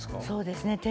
そうですね。